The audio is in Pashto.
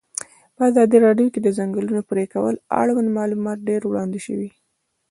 په ازادي راډیو کې د د ځنګلونو پرېکول اړوند معلومات ډېر وړاندې شوي.